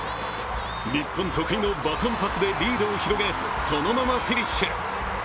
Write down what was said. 日本得意のバトンパスでリードを広げそのままフィニッシュ。